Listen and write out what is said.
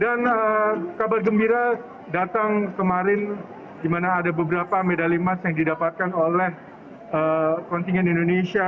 dan kabar gembira datang kemarin di mana ada beberapa medali emas yang didapatkan oleh kontingen indonesia